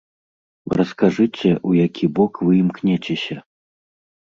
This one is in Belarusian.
Раскажыце, у які бок вы імкнецеся?